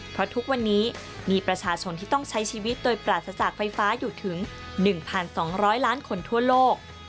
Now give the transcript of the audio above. เพราะทุกวันนี้มีประชาชนที่ต้องใช้ชีวิตโดยปราศจากไฟฟ้าอยู่ถึง๑๒๐๐ล้านคนทั่วโลก